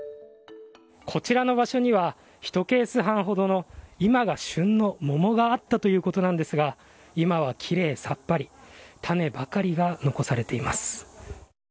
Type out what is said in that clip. こちらの場所には１ケース半ほどの今が旬の桃があったということなんですが今はきれいさっぱり種ばかりが残されています。